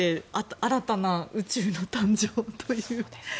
新たな宇宙の誕生というね。